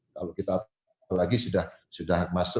kalau kita lagi sudah masuk ke dalam kita akan mencari